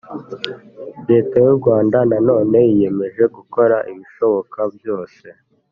leta y'u rwanda na none yiyemeje gukora ibishoboka byose